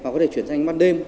có thể chuyển sang ban đêm